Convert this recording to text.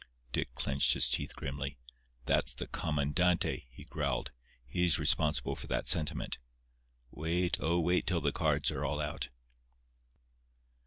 Dick clenched his teeth grimly. "That's the comandante," he growled. "He's responsible for that sentiment. Wait, oh, wait till the cards are all out."